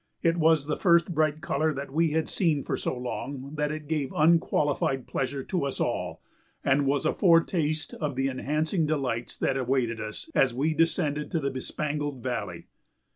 It was the first bright color that we had seen for so long that it gave unqualified pleasure to us all and was a foretaste of the enhancing delights that awaited us as we descended to the bespangled valley.